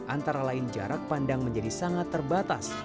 antara lain jarak pandang menjadi sangat terbatas